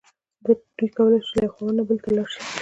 دوی کولی شول له یوه خاوند نه بل ته لاړ شي.